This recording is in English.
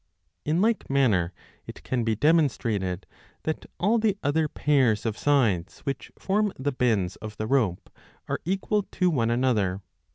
In like manner it can be demonstrated that all the other pairs of sides which form the bends of the rope are equal to one another.